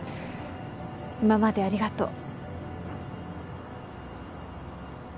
今までありがとう。